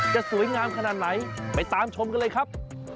จะสวยงามขนาดไหนไปตามชมกันเลยครับ